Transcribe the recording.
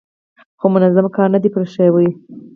خو منظم کار نه دی پرې شوی.